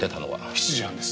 ７時半です。